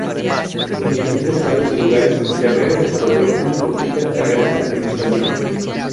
En diferentes cargos y lugares Guerrero desarrolló una fructífera carrera administrativa.